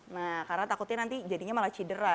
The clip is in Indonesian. nah karena takutnya nanti jadinya malah cedera